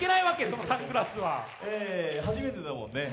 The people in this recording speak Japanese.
そのサングラスはえ初めてだもんね